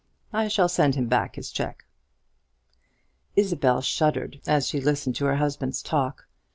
I shall send him back his cheque." Isabel shuddered as she listened to her husband's talk.